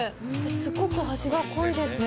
すごく味が濃いですね。